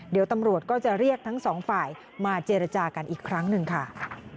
เดี๋ยวตำรวจก็จะเรียกทั้งสองฝ่ายมาเจรจากันอีกครั้งหนึ่งค่ะ